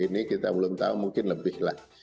kalau di sini kita belum tahu mungkin lebih lah